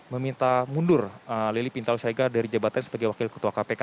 meminta mundur lili pintau siregar dari jabatan sebagai wakil ketua kpk